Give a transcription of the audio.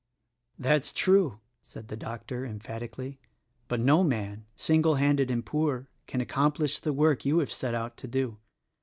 " "That's true!" said the doctor emphatically; "but no man, single handed and poor, can accomplish the work you have set out to do.